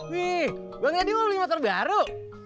wih bang edi mau beli motor baru